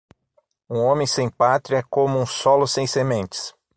Um homem sem pátria é como um solo sem sementes.